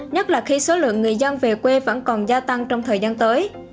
nhất là khi số lượng người dân về quê vẫn còn gia tăng trong thời gian tới